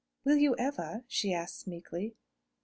"Will you ever?" she asks, meekly.